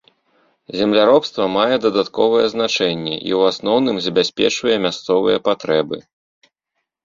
Земляробства мае дадатковае значэнне і, у асноўным, забяспечвае мясцовыя патрэбы.